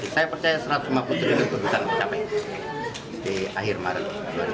saya percaya rp satu ratus lima puluh triliun dana tebusan akan mencapai di akhir maret dua ribu tujuh belas